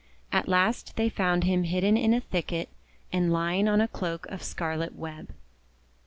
At last they found him hidden in a thicket, and lying on a cloak of scarlet web.